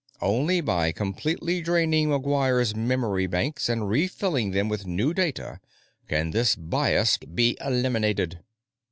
Only by completely draining McGuire's memory banks and refilling them with new data can this bias be eliminated."